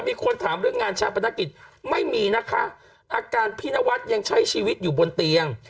มีคนถามเรื่องงานชาปนกิจไม่มีนะคะอาการพี่นวัดยังใช้ชีวิตอยู่บนเตียง